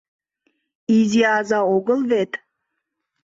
— Изи аза огыл вет...